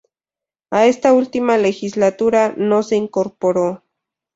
A esta última legislatura no se incorporó.